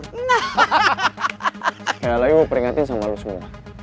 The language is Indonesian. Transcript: sekali lagi mau peringatin sama lo semua